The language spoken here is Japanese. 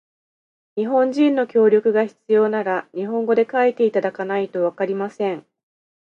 日本人の協力が必要なら、日本語で書いていただかないとわかりません。